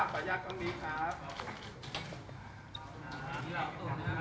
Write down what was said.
ขอขอบคุณหน่อยนะคะ